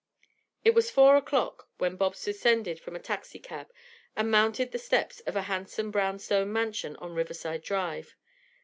It was four o'clock when Bobs descended from a taxicab and mounted the steps of a handsome brown stone mansion on Riverside Drive.